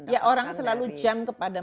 ya orang selalu jump kepada